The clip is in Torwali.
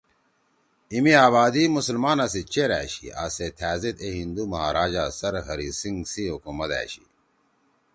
ایمی آبادی مسلمانا سی چیر أشی آسے تھأزید اے ہندُو مہاراجہ سر ہری سنگھ سی حکومت أشی